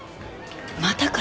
またかよ。